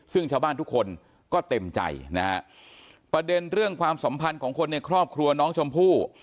ซึ่งชาวบ้านทุกคนก็เต็มใจนะฮะประเด็นเรื่องความสัมพันธ์ของคนในครอบครัวน้องชมพู่